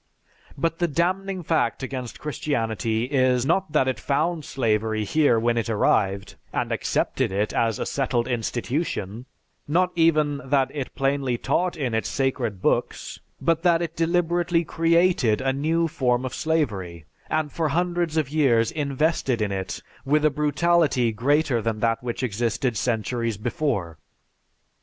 "But the damning fact against Christianity is, not that it found slavery here when it arrived, and accepted it as a settled institution, not even that it is plainly taught in its 'sacred' books, but, that it deliberately created a new form of slavery, and for hundreds of years invested it with a brutality greater than that which existed centuries before.